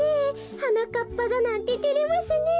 はなかっぱざなんててれますねえ。